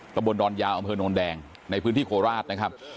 ตะบนดอนยาวอำเภอโนนแดงในพื้นที่โคราชนะครับ